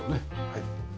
はい。